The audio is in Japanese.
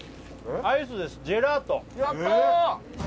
アイスですジェラートやった！